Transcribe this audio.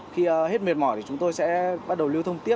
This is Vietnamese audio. khi hết mệt mỏi thì chúng tôi sẽ bắt đầu lưu thông tiếp